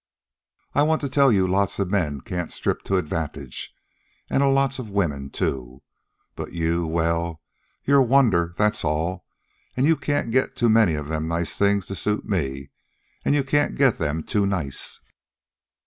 I want to tell you lots of men can't strip to advantage, an' lots of women, too. But you well, you're a wonder, that's all, and you can't get too many of them nice things to suit me, and you can't get them too nice.